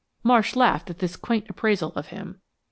Marsh laughed at this quaint appraisal of him.